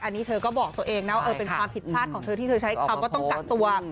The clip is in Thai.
อันนี้เธอก็บอกตัวเองนะว่าเป็นความผิดพลาดของเธอที่เธอใช้คำว่าต้องกักตัว